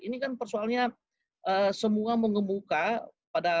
ini kan persoalnya semua mengemuka pada